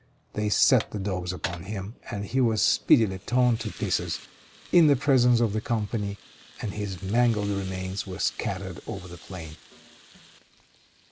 They set the dogs upon him, and he was speedily torn to pieces in the presence of the company, and his mangled remains were scattered over the plain.